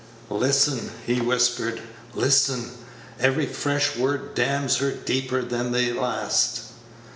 "Listen," he whispered; "listen! Every fresh word damns her deeper than the last."